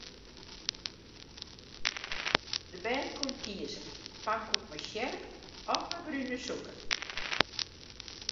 De bern koene kieze: pankoek mei sjerp of mei brune sûker.